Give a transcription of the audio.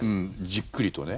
じっくりとね。